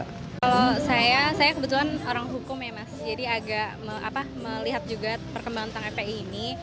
kalau saya saya kebetulan orang hukum ya mas jadi agak melihat juga perkembangan tentang fpi ini